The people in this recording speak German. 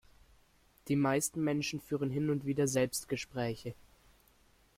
Die meisten Menschen führen hin und wieder Selbstgespräche.